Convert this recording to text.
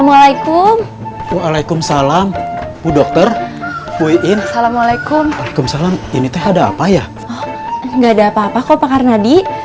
polito akurasi levelnya sekarang